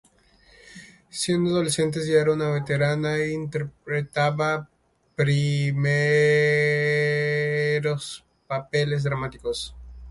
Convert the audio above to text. Siendo adolescente ya era una veterana e interpretaba primeros papeles dramáticos.